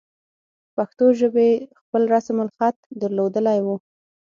پښتو ژبې خپل رسم الخط درلودلی وو.